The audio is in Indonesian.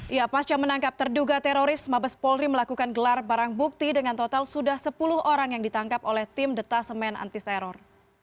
ya pasca menangkap terduga teroris mabes polri melakukan gelar barang bukti dengan total sudah sepuluh orang yang ditangkap oleh tim detasemen anti teror